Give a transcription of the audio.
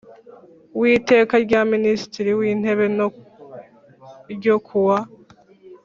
w Iteka rya Minisitiri w Intebe no ryo ku wa